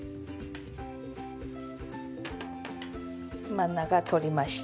真ん中通りました。